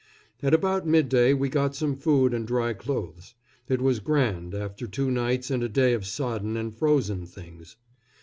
At about midday we got some food and dry clothes. It was grand, after two nights and a day of sodden and frozen things.